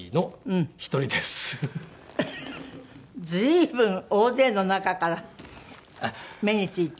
随分大勢の中から目に付いた？